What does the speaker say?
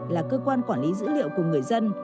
là cơ quan quản lý dữ liệu của người dân